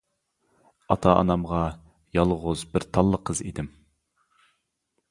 ئاتا-ئانامغا يالغۇز بىر تاللا قىز ئىدىم.